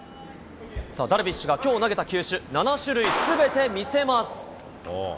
さあ、ダルビッシュがきょう投げた球種、７種類すべて見せます。